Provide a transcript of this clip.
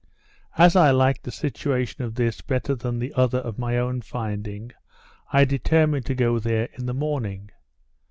As I liked the situation of this, better than the other of my own finding, I determined to go there in the morning.